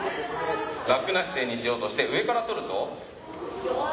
楽な姿勢にしようとして上から撮ると。